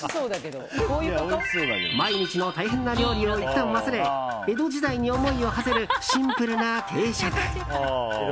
毎日の大変な料理をいったん忘れ江戸時代に思いをはせるシンプルな定食。